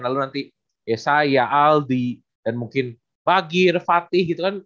lalu nanti yesaya aldi dan mungkin bagir fatih gitu kan